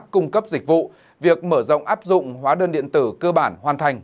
cung cấp dịch vụ việc mở rộng áp dụng hóa đơn điện tử cơ bản hoàn thành